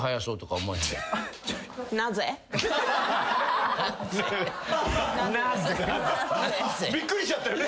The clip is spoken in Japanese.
「なぜ？」びっくりしちゃったよね。